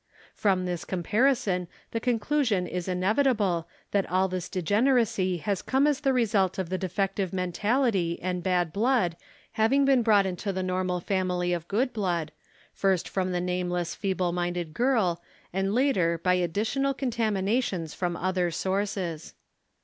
From this comparison the conclusion is inevitable that all this degeneracy has come as the result of the defective mentality and bad blood having been brought into the normal family of good blood, first from the nameless feeble minded girl and later by additional contaminations from other sources.